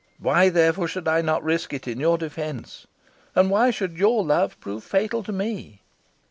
Why, therefore, should I not risk it in your defence? And why should your love prove fatal to me?"